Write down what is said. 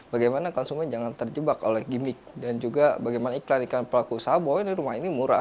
bagaimana konsumen jangan terjebak oleh gimmick dan juga bagaimana iklan iklan pelaku usaha bahwa ini rumah ini murah